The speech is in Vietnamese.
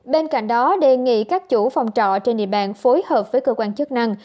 bên cạnh đó đề nghị các chủ phòng trọ trên địa bàn phối hợp với cơ quan chức năng